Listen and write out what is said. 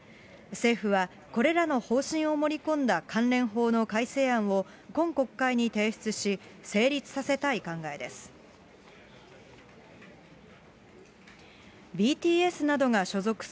政府はこれらの方針を盛り込んだ関連法の改正案を今国会に提出し、成立させたい考えです。